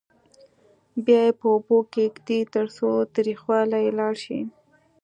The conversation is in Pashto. بیا یې په اوبو کې کېږدئ ترڅو تریخوالی یې لاړ شي.